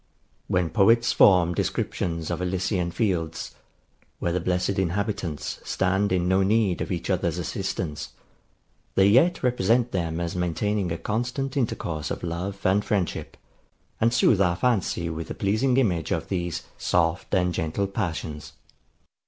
When poets form descriptions of Elysian fields, where the blessed inhabitants stand in no need of each other's assistance, they yet represent them as maintaining a constant intercourse of love and friendship, and sooth our fancy with the pleasing image of these soft and gentle passions.